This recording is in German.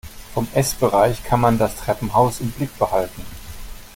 Vom Essbereich kann man das Treppenhaus im Blick behalten.